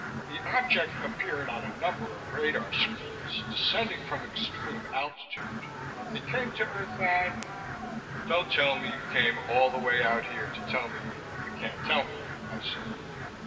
"The object appeared on a number of radar screens, descending from extreme altitude. It came to earth at ..." he hesitated. "Don't tell me you came all the way out here to tell me you can't tell me," I said.